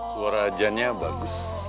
suara ajannya bagus